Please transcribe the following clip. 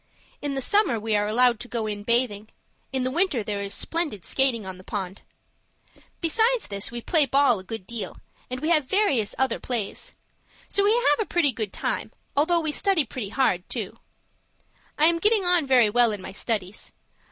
In the summer we are allowed to go in bathing. In the winter there is splendid skating on the pond. "Besides this, we play ball a good deal, and we have various other plays. So we have a pretty good time, although we study pretty hard too. I am getting on very well in my studies.